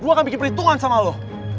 gue akan bikin perhitungan sama lo